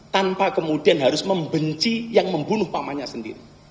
tanpa kemudian harus membenci yang membunuh pamannya sendiri